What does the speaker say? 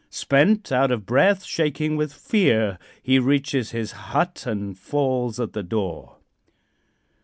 Spent, out of breath, shaking with fear, he reaches his hut and falls at the door.